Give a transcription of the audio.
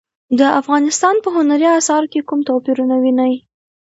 د افغانستان په هنري اثارو کې کوم توپیرونه وینئ؟